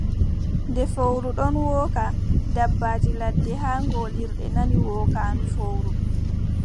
Nde fowru ɗon wooka, dabbaaji ladde haa ngoolirde nani wookaandu fowru.